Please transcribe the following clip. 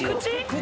口！？